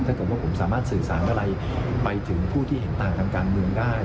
ถ้าเกิดว่าผมสามารถสื่อสารอะไรไปถึงผู้ที่เห็นต่างทางการเมืองได้